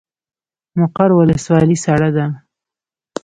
مقر ولسوالۍ سړه ده؟